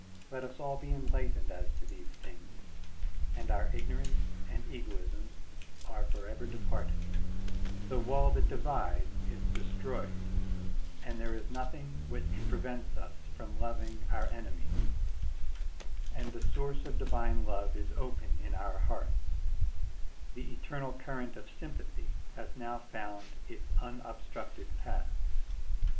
Let us all be enlightened as to these things, and our ignorance and egoism are forever Digitized by Google 86 SERMONS OF A BUDDHIST ABBOT departed; the wall that divides is destroyed, and there is nothing which prevents us from loving OUT enemies; and the source of divine love is open in our hearts, the eternal current of sympathy has now found its unobstructed path.